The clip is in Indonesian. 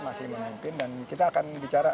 masih memimpin dan kita akan bicara